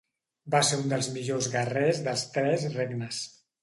Va ser un dels millors guerrers dels Tres Regnes.